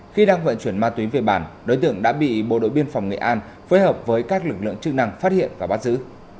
khi đang vận chuyển ma túy về bản đối tượng đã bị bộ đội biên phòng nghệ an phối hợp với các lực lượng chức năng phát hiện và bắt giữ